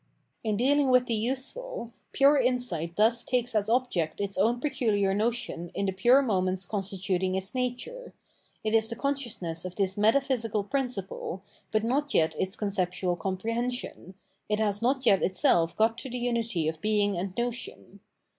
In dealing with the useful, pure insight thus takes as object its own peculiar notion in the pure moments constituting its nature; it is the consciousness of this metaphysical principle, but not yet its conceptual comprehension, it has not yet itself got to the unity of being and notion.